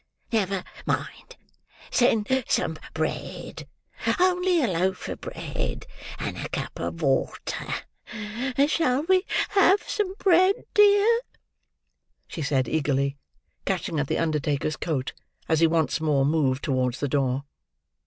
Never mind; send some bread—only a loaf of bread and a cup of water. Shall we have some bread, dear?" she said eagerly: catching at the undertaker's coat, as he once more moved towards the door.